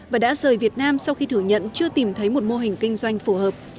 và đã rời việt nam sau khi thử nhận chưa tìm thấy một mô hình kinh doanh phù hợp